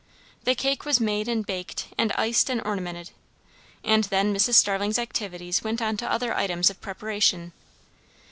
The cake was made and baked and iced and ornamented. And then Mrs. Starling's activities went on to other items of preparation.